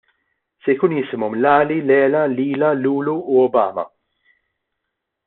Se jkun jisimhom Lali, Lela, Lila, Lulu u Obama.